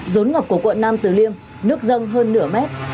rốn ngập của quận nam tử liêm nước dâng hơn nửa mét